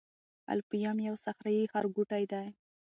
الفیوم یو صحرايي ښارګوټی دی.